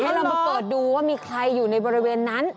เรามาเปิดดูว่ามีใครอยู่ในบริเวณนั้น